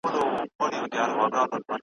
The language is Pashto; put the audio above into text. ازل مي مینه پر لمن د ارغوان کرلې `